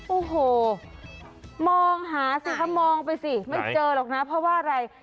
โอ้โหมองหาสิคะมองไปสิไม่เจอหรอกนะเพราะว่าอะไร